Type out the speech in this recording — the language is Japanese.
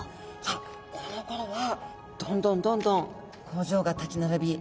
このころはどんどんどんどん工場が立ち並び